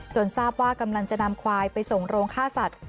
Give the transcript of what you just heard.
ทราบว่ากำลังจะนำควายไปส่งโรงฆ่าสัตว